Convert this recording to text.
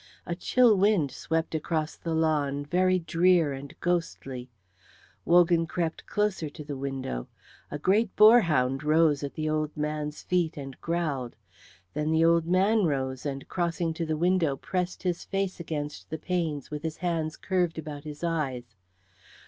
A chill wind swept across the lawn, very drear and ghostly. Wogan crept closer to the window. A great boar hound rose at the old man's feet and growled; then the old man rose, and crossing to the window pressed his face against the panes with his hands curved about his eyes.